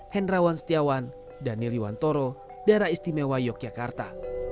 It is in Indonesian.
hendrawan setiawan daniliwantoro darah istimewa yogyakarta